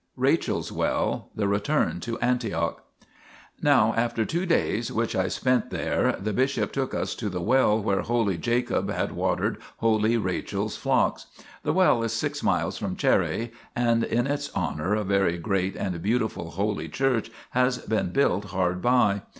RACHEL'S WELL. THE RETURN TO ANTIOCH Now after two days which I spent there, the bishop took us to the well where holy Jacob had watered holy Rachel's flocks ; l the well is six miles from Charrae, and in its honour a very great and beautiful holy church has been built hard by.